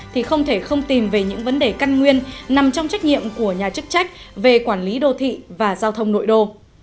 thì không thể không tìm về những vấn đề căn nguyên nằm trong trách nhiệm của nhà chức trách về quản lý đô thị và giao thông nội đô